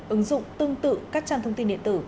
ứng dụng tương tự các trang thông tin điện tử